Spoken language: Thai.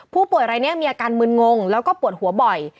ผู้ป่วยรายนี้มีอาการมืนงงแล้วก็ปวดหัวบ่อย